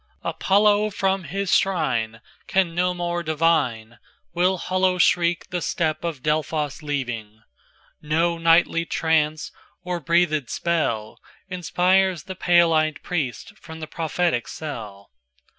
Apollo from his shrineCan no more divine, Will hollow shriek the steep of Delphos leaving.No nightly trance, or breathèd spell, Inspires the pale eyed Priest from the prophetic cell.